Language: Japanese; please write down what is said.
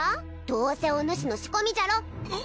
どうせおぬしの仕込みじゃろ？